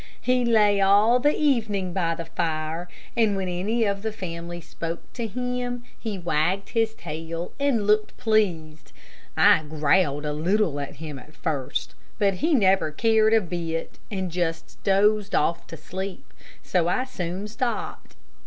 He lay all the evening by the fire, and when any of the family spoke to him, he wagged his tail, and looked pleased. I growled a little at him at first, but he never cared a bit, and just dozed off to sleep, so I soon stopped.